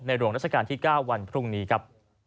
หลวงราชการที่๙วันพรุ่งนี้ครับ